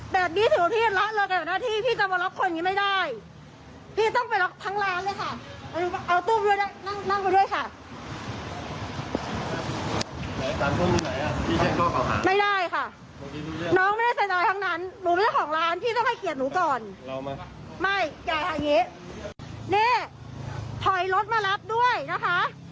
ไม่อย่าอย่างนี้นี่ถอยรถมารับด้วยนะคะ